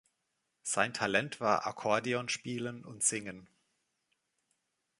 Sein Talent war Akkordeon spielen und singen.